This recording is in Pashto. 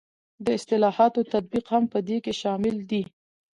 د اصلاحاتو تطبیق هم په دې کې شامل دی.